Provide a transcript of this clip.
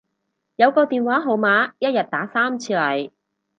有個電話號碼一日打三次嚟